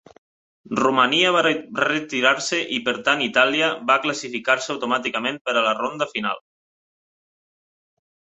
Romania va retirar-se i per tant Itàlia va classificar-se automàticament per a la ronda final.